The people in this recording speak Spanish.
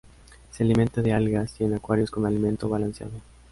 Se alimenta de algas y en acuarios con alimento balanceado.